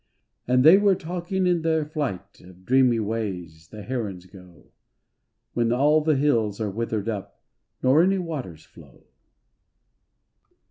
And they were talking in their flight Of dreamy ways the herons go When all the hills are withered up Nor any waters flow.